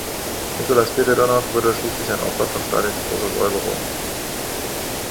Nikolai Spiridonow wurde schließlich ein Opfer von Stalins „Großer Säuberung“.